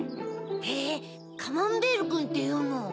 へぇカマンベールくんっていうの？